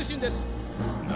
何？